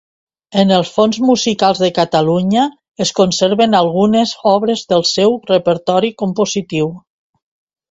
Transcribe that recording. En els fons musicals de Catalunya es conserven algunes obres del seu repertori compositiu.